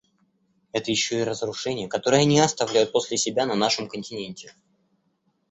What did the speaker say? Это еще и разрушения, которые они оставляют после себя на нашем континенте.